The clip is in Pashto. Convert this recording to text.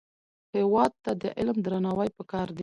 هېواد ته د علم درناوی پکار دی